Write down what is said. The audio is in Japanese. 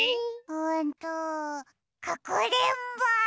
うんとかくれんぼ！